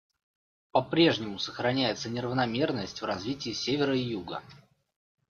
По-прежнему сохраняется неравномерность в развитии Севера и Юга.